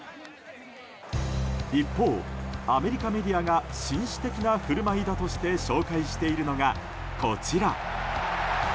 一方、アメリカメディアが紳士的な振る舞いだとして紹介しているのが、こちら。